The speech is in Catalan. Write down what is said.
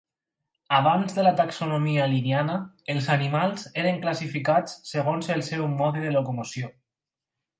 Abans de la taxonomia linneana, els animals eren classificats segons el seu mode de locomoció.